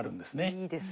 いいですね。